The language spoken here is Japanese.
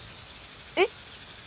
えっ？